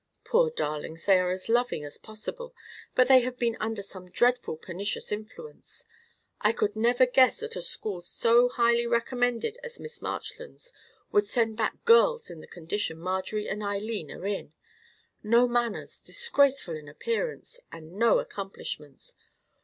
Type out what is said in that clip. Poor darlings, they are as loving as possible; but they have been under some dreadful pernicious influence. I could never guess that a school so highly recommended as Miss Marchland's was would send back girls in the condition Marjorie and Eileen are in. No manners, disgraceful in appearance, and no accomplishments.